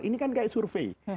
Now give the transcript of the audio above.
ini kan kayak survei